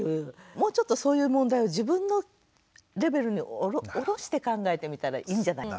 もうちょっとそういう問題を自分のレベルに下ろして考えてみたらいいんじゃない？